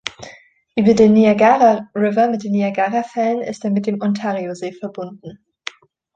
Über den Niagara River mit den Niagarafällen ist er mit dem Ontariosee verbunden.